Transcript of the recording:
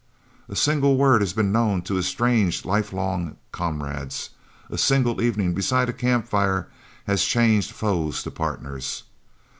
A single word has been known to estrange lifelong comrades; a single evening beside a camp fire has changed foes to partners.